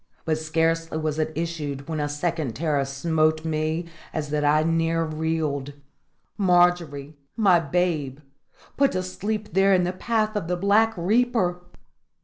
But scarcely was it issued when a second terror smote me as that I near reeled. Margery my babe! put to sleep there in the path of the Black Reaper!